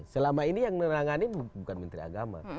selama ini yang menerangani bukan menteri agama